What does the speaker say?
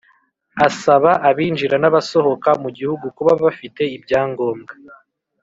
Asaba abinjira n’abasohoka mu gihugu kuba bafite ibyangombwa